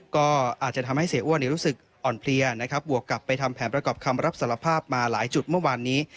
ก็อาจจะทำให้เสียอ้วนรู้สึกอ่อนเพลียนะครับบวกกลับไปทำแผนประกอบคำรับสารภาพมาหลายจุดเมื่อวานนี้